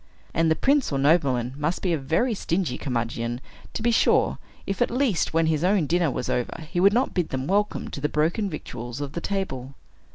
And the prince or nobleman must be a very stingy curmudgeon, to be sure, if, at least, when his own dinner was over, he would not bid them welcome to the broken victuals from the table.